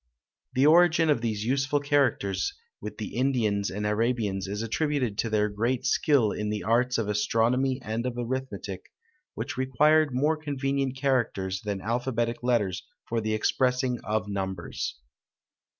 The origin of these useful characters with the Indians and Arabians is attributed to their great skill in the arts of astronomy and of arithmetic, which required more convenient characters than alphabetic letters for the expressing of numbers.